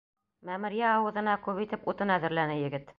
Мәмерйә ауыҙына күп итеп утын әҙерләне егет.